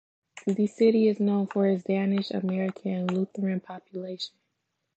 The city is known for its Danish-American and Lutheran population.